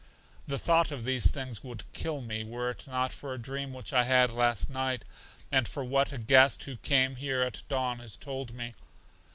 The thought of these things would kill me, were it not for a dream which I had last night, and for what a guest who came here at dawn has told me.